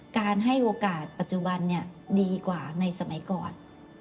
การให้โอกาสปัจจุบันดีกว่าในสมัยก่อน